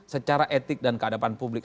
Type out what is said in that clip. secara etik dan keadapan publik